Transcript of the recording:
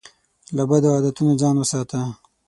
له بدو عادتونو ځان وساته.